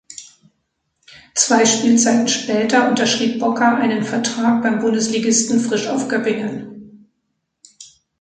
Zwei Spielzeiten später unterschrieb Bocka einen Vertrag beim Bundesligisten Frisch Auf Göppingen.